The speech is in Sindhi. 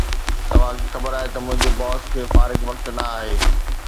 توهان کي خبر آهي ته منهنجي باس کي فارغ وقت نه آهي